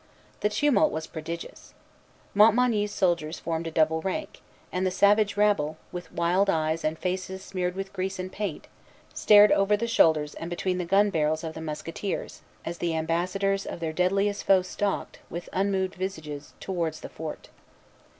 The tumult was prodigious. Montmagny's soldiers formed a double rank, and the savage rabble, with wild eyes and faces smeared with grease and paint, stared over the shoulders and between the gun barrels of the musketeers, as the ambassadors of their deadliest foe stalked, with unmoved visages, towards the fort.